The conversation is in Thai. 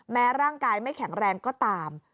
ร่างกายไม่แข็งแรงก็ตาม